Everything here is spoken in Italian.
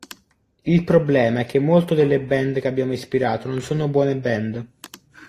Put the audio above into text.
Il problema è che molto delle band che abbiamo ispirato non sono buone band".